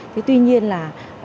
thế tuy nhiên là